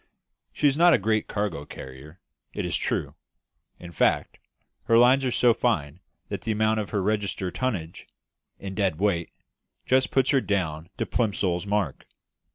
She is not a great cargo carrier, it is true; in fact, her lines are so fine that the amount of her register tonnage, in dead weight, just puts her down to Plimsoll's mark.